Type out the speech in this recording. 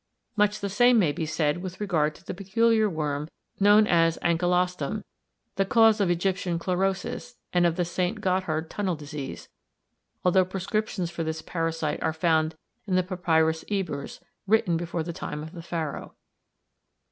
Much the same may be said with regard to the peculiar worm known as anchylostum, the cause of Egyptian chlorosis, and of the St. Gothard tunnel disease, although prescriptions for this parasite are found in the Papyrus Ebers, written before the time of Pharaoh.